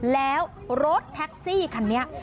แล้วรถแท็กซี่คันนี้